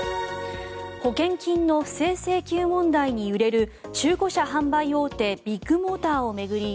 保険金の不正請求問題に揺れる中古車販売大手ビッグモーターを巡り